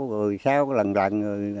rồi sao lần lần